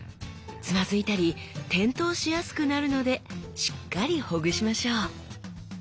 つまずいたり転倒しやすくなるのでしっかりほぐしましょう